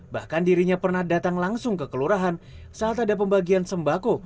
bahkan dirinya pernah datang langsung ke kelurahan saat ada pembagian sembako